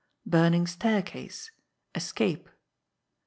Burning Staircase: Escape.